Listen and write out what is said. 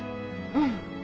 うん。